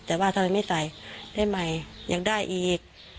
แต่ยังจำไม่ใส่ได้ใหม่อยากได้อีก